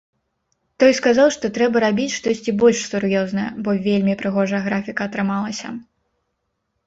Той сказаў, што трэба рабіць штосьці больш сур'ёзнае, бо вельмі прыгожая графіка атрымалася.